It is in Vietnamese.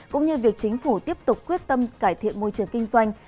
cũng như việc chính phủ tiếp tục quyết tâm cải thiện môi trường kinh doanh